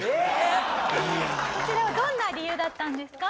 こちらはどんな理由だったんですか？